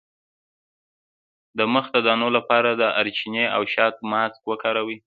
د مخ د دانو لپاره د دارچینی او شاتو ماسک وکاروئ